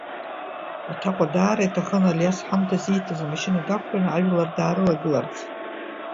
Баҭаҟәа даара иҭахын Алиас ҳамҭас ииҭаз амашьына дақәтәаны ажәлар даарылагыларц.